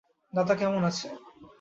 দাদা কেমন আছে?